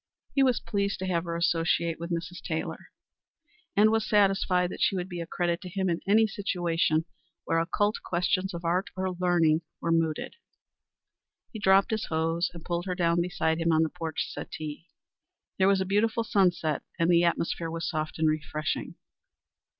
He was pleased to have her associate with Mrs. Taylor, and was satisfied that she would be a credit to him in any situation where occult questions of art or learning were mooted. He dropped his hose and pulled her down beside him on the porch settee. There was a beautiful sunset, and the atmosphere was soft and refreshing.